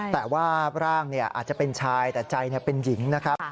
แต่ว่าร่างอาจจะเป็นชายแต่ใจเป็นหญิงนะครับ